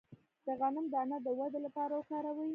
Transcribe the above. د غنم دانه د ودې لپاره وکاروئ